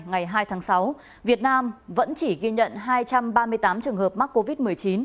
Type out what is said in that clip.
ngày hai tháng sáu việt nam vẫn chỉ ghi nhận hai trăm ba mươi tám trường hợp mắc covid một mươi chín